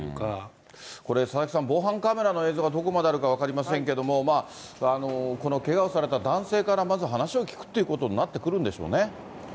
これ、佐々木さん、防犯カメラの映像がどこまであるか分かりませんけども、このけがをされた男性から、まず話を聞くってことになってくるんでしょうね。